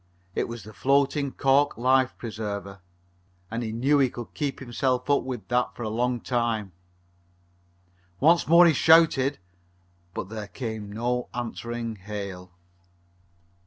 It was the floating cork life preserver, and he knew he could keep himself up with it for a long time. Once more he shouted, but there came no answering hail.